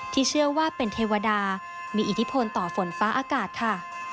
เชื่อว่าเป็นเทวดามีอิทธิพลต่อฝนฟ้าอากาศค่ะ